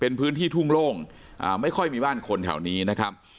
เป็นพื้นที่ทุ่งโล่งไม่ค่อยมีบ้านคนแถวนี้นะครับ